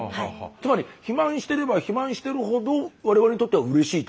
つまり肥満してれば肥満してるほど我々にとってはうれしいと。